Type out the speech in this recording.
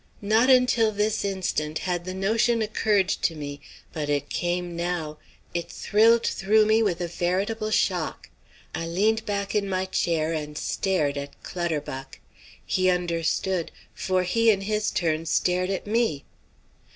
Not until this instant had the notion occurred to me, but it came now, it thrilled through me with a veritable shock. I leaned back in my chair and stared at Clutterbuck. He understood, for he in his turn stared at me.